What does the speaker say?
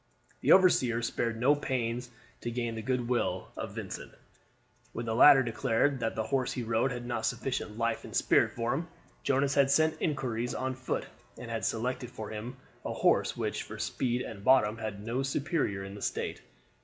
The overseer spared no pains to gain the good will of Vincent. When the latter declared that the horse he rode had not sufficient life and spirit for him, Jonas had set inquiries on foot, and had selected for him a horse which, for speed and bottom, had no superior in the State.